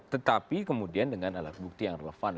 tetapi kemudian dengan alat bukti yang relevan